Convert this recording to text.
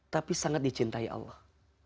tapi sangat dicintai allah